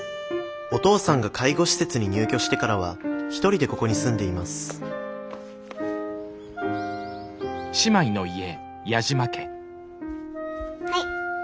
お父さんが介護施設に入居してからは１人でここに住んでいますはい。